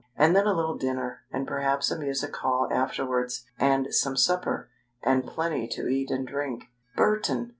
And then a little dinner, and perhaps a music hall afterwards, and some supper, and plenty to eat and drink " "Burton!"